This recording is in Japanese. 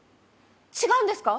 違うんですか？